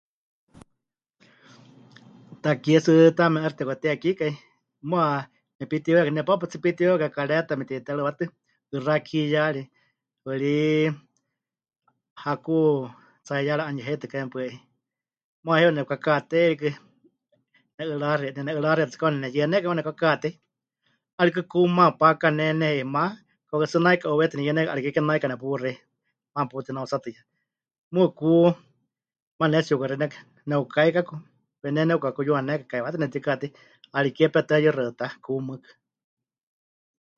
Takie tsɨ taame 'aixɨ tepɨkatehekikai, muuwa nepitiweewiwakai, nepaapa tsɨ pitiweewiwakai kareta mete'iterɨwátɨ, 'ɨxá kiyari, paɨrí haku tsaiyari 'anuyeheitɨkaime paɨ 'i, muuwa heiwa nepɨkakatei rikɨ, nene'ɨraxie... nene'ɨraxietɨ kauka tsɨ neneyɨanékai maana nepɨkakatei, 'aana rikɨ ku maana pakane neheimá, kauka tsɨ naika 'uweiyatɨ neyɨanékai, 'ariké ke naika nepuxei, maana putinautsatɨya, mɨɨkɨ ku maana pɨnetsi'ukaxei nekɨ... ne'ukaiku, pero ne nepɨkakuyuanékai, kaiwátɨ nepɨtikatei, 'ariké petɨa yuxaɨtá ku mɨɨkɨ.